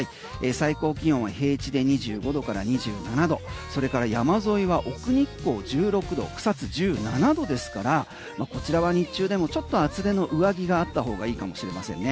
最高気温は平地で２５度から２７度それから山沿いは奥日光１６度草津１７度ですからこちらは日中でもちょっと厚手の上着があった方がいいかもしれませんね。